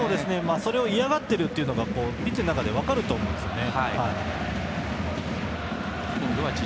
それを嫌がっているのがピッチの中で分かると思うんですね。